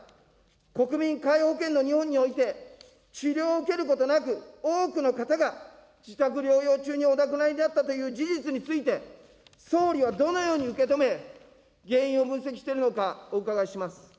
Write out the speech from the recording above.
国民皆保険の日本において、治療を受けることなく、多くの方が自宅療養中にお亡くなりになったという事実について、総理はどのように受け止め、原因を分析しているのか、お伺いします。